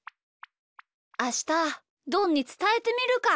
あしたどんにつたえてみるか。